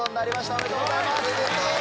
おめでとうございます。